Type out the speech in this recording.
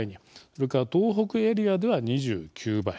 それから東北エリアでは２９倍。